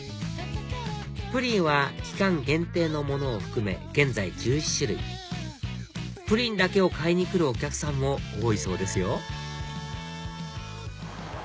プリンは期間限定のものを含め現在１１種類プリンだけを買いに来るお客さんも多いそうですよ